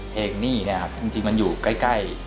หนี้นะครับจริงมันอยู่ใกล้